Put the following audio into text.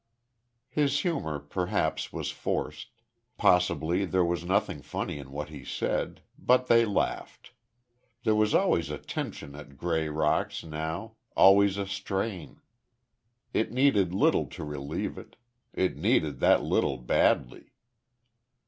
'" His humor, perhaps, was forced; possibly there was nothing funny in what he said; but they laughed. There was always a tension at "Grey Rocks," now always a strain. It needed little to relieve it; it needed that little badly.